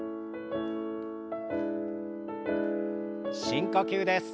深呼吸です。